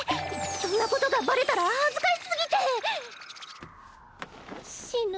そんなことがバレたら恥ずかしすぎて死ぬ。